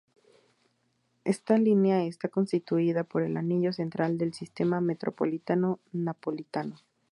Esta línea está constituida por el "anillo central" del sistema metropolitano napolitano.